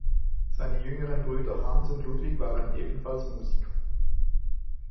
Seine jüngeren Brüder Hans und Ludwig waren ebenfalls Musiker.